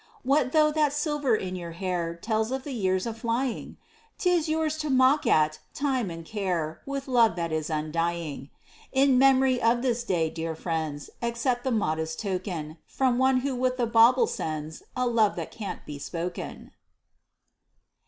What though that silver in your hair Tells of the years aflying? 'T is yours to mock at Time and Care With love that is undying. In memory of this Day, dear friends, Accept the modest token From one who with the bauble sends A love that can't be spoken.